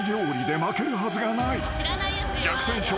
［逆転勝利へ。